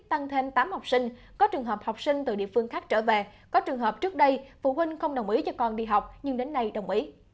tăng thêm tám học sinh có trường hợp học sinh từ địa phương khác trở về có trường hợp trước đây phụ huynh không đồng ý cho con đi học nhưng đến nay đồng ý